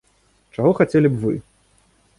Чаго хацелі б вы?